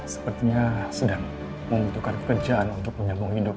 sepertinya sedang membutuhkan pekerjaan untuk menyambung hidup